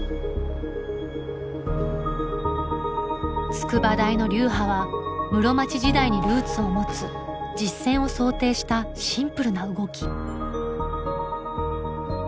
筑波大の流派は室町時代にルーツを持つ実戦を想定したシンプルな動き。